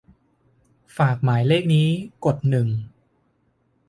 ฝากหมายเลขนี้ กดหนึ่ง